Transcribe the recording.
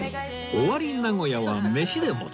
尾張名古屋はメシで持つ